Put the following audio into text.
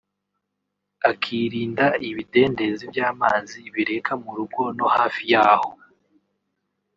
akirinda ibidendezi by’amazi bireka mu rugo no hafi yahoo